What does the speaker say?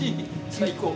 最高。